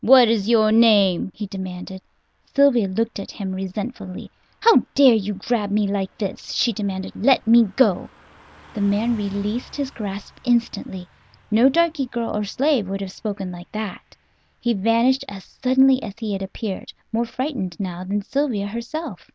"What is your name?" he demanded. Sylvia looked at him resentfully. "How dare you grab me like this?" she demanded. "Let me go." The man released his grasp instantly. No darky girl or slave would have spoken like that. He vanished as suddenly as he had appeared, more frightened now than Sylvia herself.